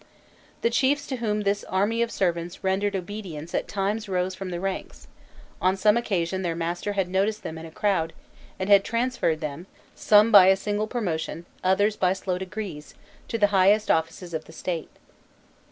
The chiefs to whom this army of servants rendered obedience at times rose from the ranks; on some occasion their master had noticed them in the crowd, and had transferred them, some by a single promotion, others by slow degrees, to the highest offices of the state.